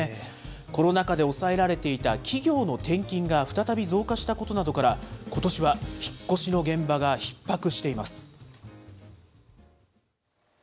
コロナ禍で抑えられていた企業の転勤が再び増加したことなどから、ことしは引っ越しの現場がひっ迫しています。